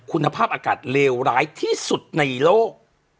คุณภาพอากาศเลวร้ายที่สุดในโลก